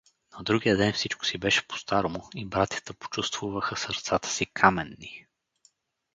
На другия ден всичко си беше по старому и братята почувствуваха сърцата си каменни.